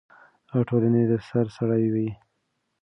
او ټولنې د سر سړی وي،